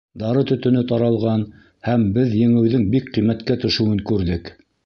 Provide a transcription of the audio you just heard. Дары төтөнө таралған һәм беҙ еңеүҙең бик ҡиммәткә төшөүен күрҙек.